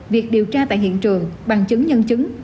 việc điều tra tại hiện trường bằng chứng nhân chứng